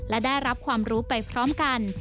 และได้รับความรู้ไปพร้อมกัน